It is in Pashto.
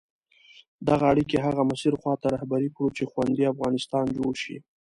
دغه اړیکي هغه مسیر خواته رهبري کړو چې خوندي افغانستان جوړ شي.